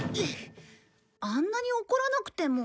あんなに怒らなくても。